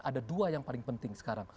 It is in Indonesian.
ada dua yang paling penting sekarang